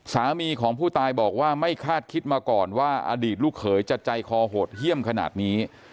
สามีของผู้ตายบอกว่าไม่คาดคิดมาก่อนว่าอดีตลูกเขยจะใจคอโหดเยี่ยมขนาดนี้